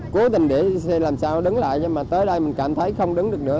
cố tình để làm sao đứng lại nhưng mà tới đây mình cảm thấy không đứng được nữa